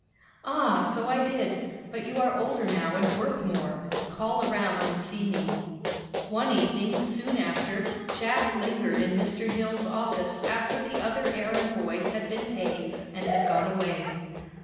"Ah, so I did; but you are older now and worth more. Call around and see me." One evening, soon after, Jack lingered in Mr. Hill's office after the other errand boys had been paid and had gone away.